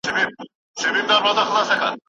نن یوازیتوب وپېژاند